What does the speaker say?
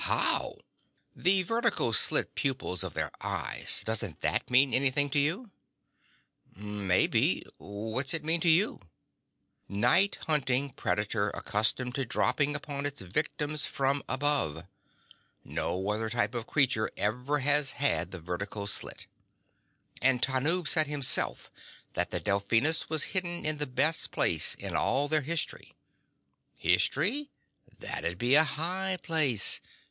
"How?" "The vertical slit pupils of their eyes. Doesn't that mean anything to you?" "Maybe. What's it mean to you?" "Night hunting predator accustomed to dropping upon its victims from above. No other type of creature ever has had the vertical slit. And Tanub said himself that the Delphinus was hidden in the best place in all of their history. History? That'd be a high place.